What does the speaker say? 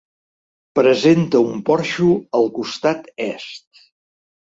Presenta un porxo al costat est.